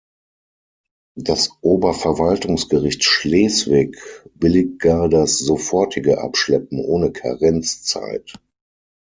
Das Oberverwaltungsgericht Schleswig billigt gar das sofortige Abschleppen ohne Karenzzeit.